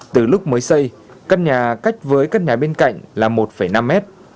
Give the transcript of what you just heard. từ lúc mới xây căn nhà cách với căn nhà bên cạnh là một năm mét